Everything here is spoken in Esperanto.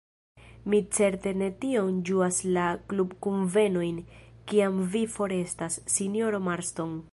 Ni certe ne tiom ĝuas la klubkunvenojn, kiam vi forestas, sinjoro Marston.